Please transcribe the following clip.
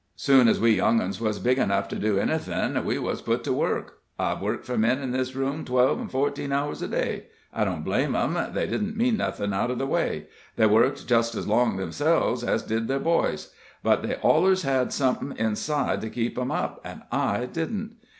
Soon as we young 'uns was big enough to do anything we wuz put to work. I've worked for men in this room twelve an' fourteen hours a day. I don't blame 'em they didn't mean nothin' out of the way they worked just as long 'emselves, an' so did their boys. But they allers had somethin' inside to keep 'em up, an' I didn't.